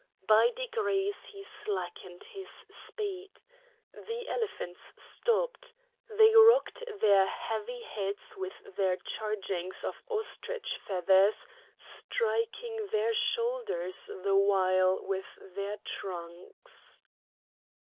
By degrees he slackened his speed. The elephants stopped; they rocked their heavy heads with their chargings of ostrich feathers, striking their shoulders the while with their trunks.